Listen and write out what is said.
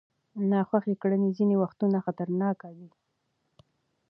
ناخوښه کړنې ځینې وختونه خطرناک دي.